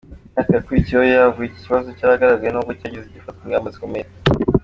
Mu myaka yakurikiyeho nabwo iki kibazo cyaragaragaye nubwo cyagiye gifatirwa ingamba zikomeye.